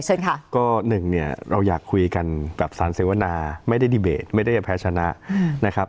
เชิญค่ะก็หนึ่งเนี่ยเราอยากคุยกันกับสารเสวนาไม่ได้ดีเบตไม่ได้จะแพ้ชนะนะครับ